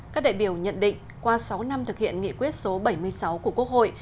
các đại biểu nhận định qua sáu năm thực hiện nghị quyết số bảy mươi sáu của quốc hội